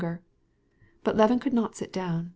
But Levin could not sit down.